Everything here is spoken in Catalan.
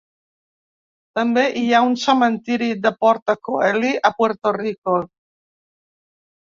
També hi ha un cementiri de Porta Coeli a Puerto Rico.